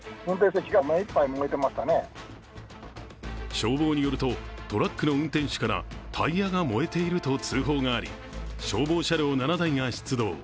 消防によると、トラックの運転手からタイヤが燃えていると通報があり消防車両７台が出動。